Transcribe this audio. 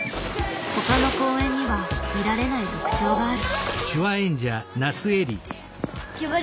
ほかの公園には見られない特徴がある。